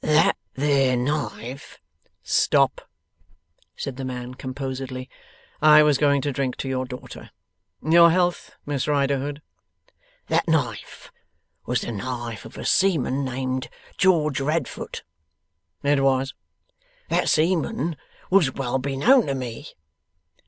'That there knife ' 'Stop,' said the man, composedly. 'I was going to drink to your daughter. Your health, Miss Riderhood.' 'That knife was the knife of a seaman named George Radfoot.' 'It was.' 'That seaman was well beknown to me.